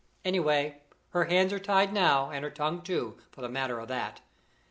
Anyhow, her hands are tied now, and her tongue too, for the matter of that.